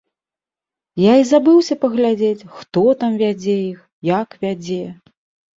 Я і забыўся паглядзець, хто там вядзе іх, як вядзе.